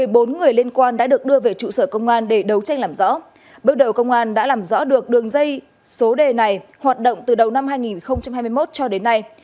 bước đầu công an đã làm rõ được đường dây số đề này hoạt động từ đầu năm hai nghìn hai mươi một cho đến nay